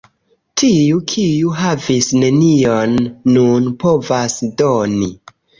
Tiu, kiu havis nenion, nun povas doni.